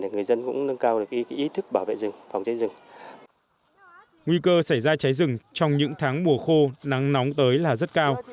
nguy cơ xảy ra cháy rừng trong những tháng mùa khô nắng nóng tới là rất cao